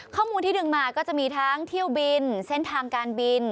ข้อมูลที่ดึงมาก็จะมีทั้งเที่ยวบินเส้นทางการบิน